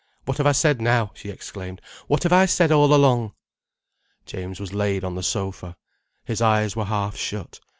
"What have I said, now," she exclaimed. "What have I said all along?" James was laid on the sofa. His eyes were half shut.